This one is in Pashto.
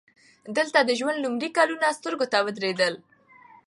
دلته د ژوند لومړي کلونه سترګو ته ودرېدل